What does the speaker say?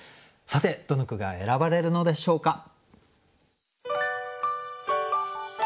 さてどの句が選ばれるのでしょうか。